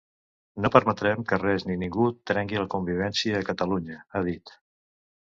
No permetrem que res ni ningú trenqui la convivència a Catalunya, ha dit.